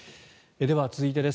では、続いてです。